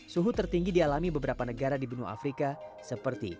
suhu tertinggi dialami beberapa negara di benua afrika seperti